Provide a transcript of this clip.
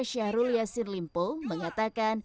syahrul yassin limpo mengatakan